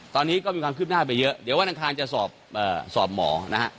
ตอนนี้ก็มีความคืบหน้าไปเยอะเดี๋ยววันอังคารจะสอบหมอนะฮะ